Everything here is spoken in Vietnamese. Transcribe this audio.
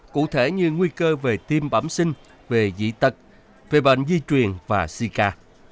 cụ thể như nguy cơ về tim bẩm sinh về dị tật về bệnh di truyền và sika